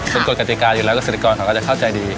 เป็นกฎกติกาอยู่แล้วเกษตรกรเขาก็จะเข้าใจดี